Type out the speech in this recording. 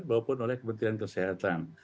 maupun oleh kementerian kesehatan